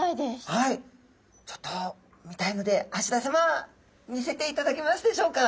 はいちょっと見たいので蘆田さま見せていただけますでしょうか。